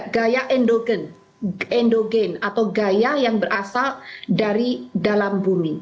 gaya endogen endogen atau gaya yang berasal dari dalam bumi